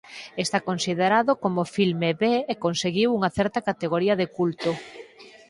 Está considerado como filme B e conseguiu unha certa categoría de culto.